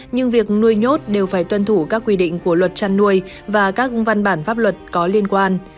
nhưng việc nuôi nhốt đều phải tuân thủ các quy định của luật chăn nuôi và các văn bản pháp luật có liên quan